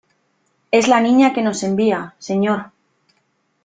es la Niña que nos envía , señor ...